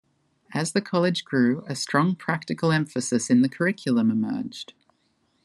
As the College grew, a strong practical emphasis in the curriculum emerged.